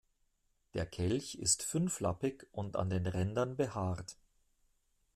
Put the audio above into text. Der Kelch ist fünflappig und an den Rändern behaart.